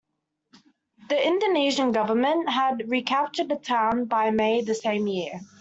The Indonesian government had recaptured the town by May the same year.